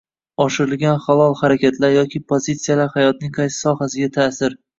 oshirilgan halol harakatlar yoki pozitsiyalar hayotning qaysi sohasiga ta’sir